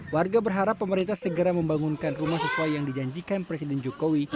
warga berharap pemerintah segera membangunkan rumah sesuai yang dijanjikan presiden jokowi